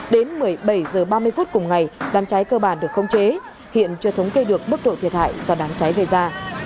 đến một mươi bảy h ba mươi phút cùng ngày đám cháy cơ bản được không chế hiện chưa thống kê được mức độ thiệt hại do đám cháy gây ra